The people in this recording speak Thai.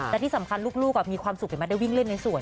และที่สำคัญลูกมีความสุขเห็นไหมได้วิ่งเล่นในสวน